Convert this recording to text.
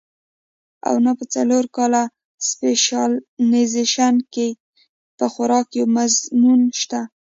او نۀ پۀ څلور کاله سپېشلائزېشن کښې پۀ خوراک يو مضمون شته